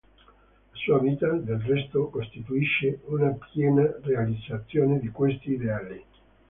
La sua vita, del resto, costituisce una piena realizzazione di questi ideali.